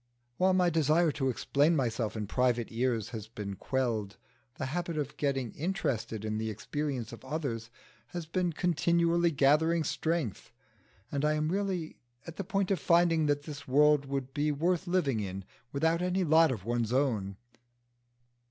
While my desire to explain myself in private ears has been quelled, the habit of getting interested in the experience of others has been continually gathering strength, and I am really at the point of finding that this world would be worth living in without any lot of one's own.